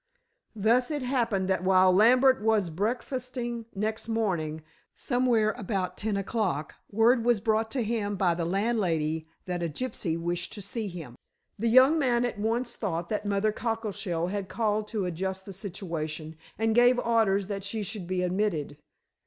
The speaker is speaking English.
Thus it happened that while Lambert was breakfasting next morning, somewhere about ten o'clock, word was brought to him by the landlady that a gypsy wished to see him. The young man at once thought that Mother Cockleshell had called to adjust the situation, and gave orders that she should be admitted.